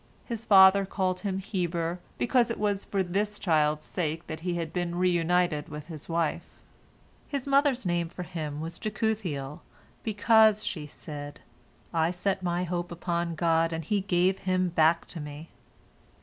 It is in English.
His father called him Heber, because it was for this child's sake that he had been "reunited" with his wife. His mother's name for him was Jekuthiel, "because," she said, "I set my hope upon God, and He gave him back to me."